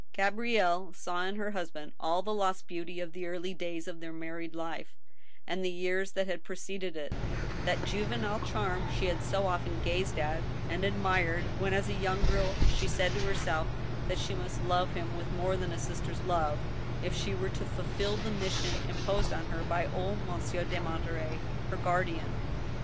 Gabrielle saw in her husband all the lost beauty of the early da3rs of their married life, and the years that had preceded it ; that juve ^ nile charm she had so often gazed at and admired when, as a young girl, she said to herself that she must love him with more than a sis ter's love if she were to fulfill the mission imposed on her by old Monsieur de Monterey, her guardian.